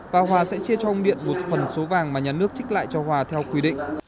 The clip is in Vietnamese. và hòa sẽ chia cho ông điện một phần số vàng mà nhà nước trích lại cho hòa theo quy định